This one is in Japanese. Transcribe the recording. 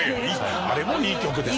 あれもいい曲ですよ。